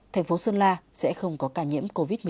thành phố sơn la sẽ không có ca nhiễm covid một mươi chín